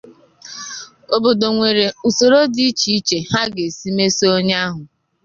obodo nwèrè usoro dị iche iche ha ga-esi mesò onye ahụ